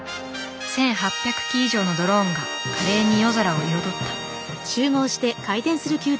１，８００機以上のドローンが華麗に夜空を彩った。